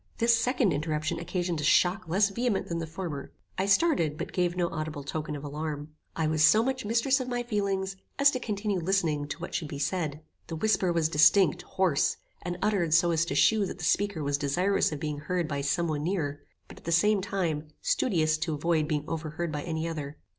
This second interruption occasioned a shock less vehement than the former. I started, but gave no audible token of alarm. I was so much mistress of my feelings, as to continue listening to what should be said. The whisper was distinct, hoarse, and uttered so as to shew that the speaker was desirous of being heard by some one near, but, at the same time, studious to avoid being overheard by any other.